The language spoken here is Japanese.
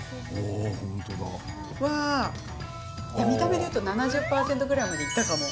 見た目でいうと７０％ぐらいまでいったかも。